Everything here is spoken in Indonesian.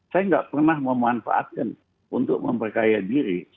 saya nggak pernah memanfaatkan untuk memperkaya diri